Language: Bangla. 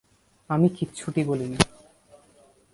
আমি কিচ্ছুটি বলিনা।